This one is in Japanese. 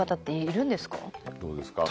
どうですか？